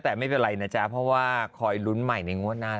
แต่ไม่เป็นไรนะจ๊ะเพราะว่าคอยลุ้นใหม่ในงวดหน้า